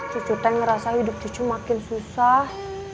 cucu teh ngerasa hidup cucu makin susah